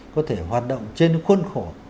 có thể hoạt động trên khuôn khổ